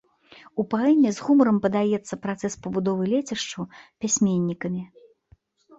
У паэме з гумарам падаецца працэс пабудовы лецішчаў пісьменнікамі.